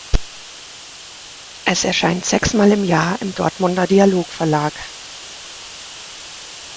Es erscheint sechs Mal im Jahr im Dortmunder Dialog Verlag.